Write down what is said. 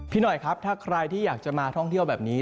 หน่อยครับถ้าใครที่อยากจะมาท่องเที่ยวแบบนี้